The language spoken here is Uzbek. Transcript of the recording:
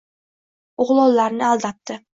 O‘g‘lonlarni aldabdi.